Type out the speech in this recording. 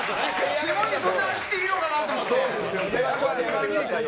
下にそんな走っていいのかなと思って。